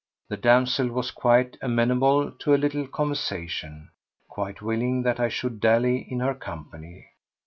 The damsel was quite amenable to a little conversation, quite willing that I should dally in her company.